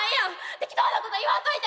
適当なこと言わんといて！